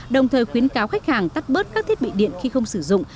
đồng thời khuyến cáo khách hàng tắt bớt các thiết bị điện khi không sử dụng